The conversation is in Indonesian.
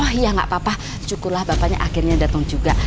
oh iya gak papa cukulah bapaknya akhirnya datang juga